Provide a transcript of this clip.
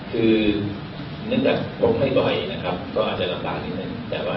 คือนึกจากครบไม่บ่อยนะครับก็อะลำปากนี้นึก